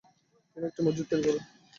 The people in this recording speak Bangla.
তিনি একটি মসজিদ তৈরী করেন।